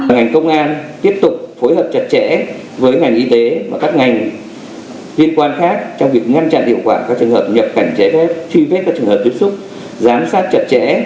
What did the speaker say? ngành công an tiếp tục phối hợp chặt chẽ với ngành y tế và các ngành liên quan khác trong việc ngăn chặn hiệu quả các trường hợp nhập cảnh trái phép truy vết các trường hợp tiếp xúc giám sát chặt chẽ